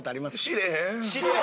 知れへん？